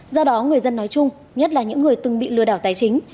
do đó người dân nói chung nhất là những người từng bị lừa đảo tài chính